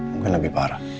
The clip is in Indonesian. mungkin lebih parah